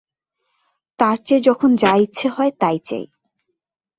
তার চেয়ে যখন যা ইচ্ছে হয় তাই চাই।